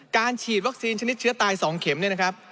การฉีดวัคซีนชนิดเชื้อตาย๒เข็มเนี่ยนะครับ